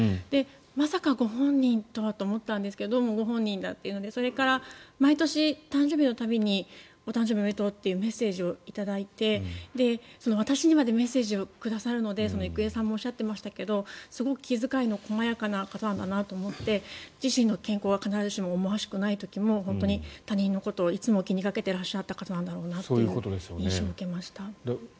まさかご本人とはと思ったんですけどどうもご本人だということでそれから毎年、誕生日の度にお誕生日おめでとうっていうメッセージを頂いて私にまでメッセージをくださるので郁恵さんもおっしゃっていましたがすごく気遣いの細やかな方なんだなと思って自身の健康は必ずしも思わしくない時も他人のことをいつも気にかけていらっしゃった方なんだろうなという印象を受けました。